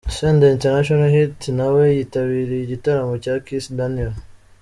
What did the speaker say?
Senderi International Hit nawe yitabiriye igitaramo cya Kiss Daniel.